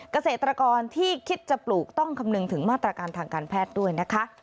เกษตรกรที่คิดจะปลูกต้องคำนึงถึงมาตรการทางการแพทย์ด้วยนะคะ